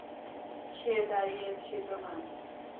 সে দাঁড়িয়ে ছিল না।